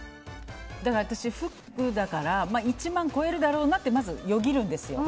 私、フグだから１万超えるだろうなってまず、よぎるんですよ。